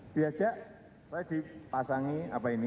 di ajak saya dipasangi apa ini